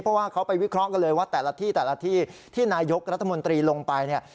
เพราะว่าเขาไปวิเคราะห์กันเลยว่าแต่ละที่แต่ละที่ที่นายกรัฐมนตรีลงไปเนี่ย